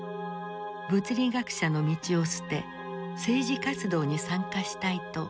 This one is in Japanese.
物理学者の道を捨て政治活動に参加したいと申し出た。